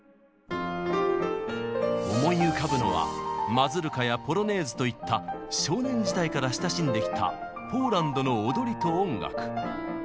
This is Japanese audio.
思い浮かぶのはマズルカやポロネーズといった少年時代から親しんできたポーランドの踊りと音楽。